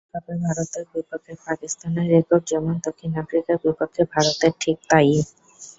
বিশ্বকাপে ভারতের বিপক্ষে পাকিস্তানের রেকর্ড যেমন, দক্ষিণ আফ্রিকার বিপক্ষে ভারতের ঠিক তা-ই।